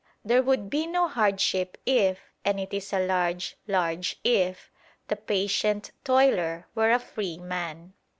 There would be no hardship if and it is a large, large IF the patient toiler were a free man.